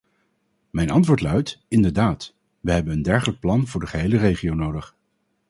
Mijn antwoord luidt: inderdaad, we hebben een dergelijk plan voor de gehele regio nodig.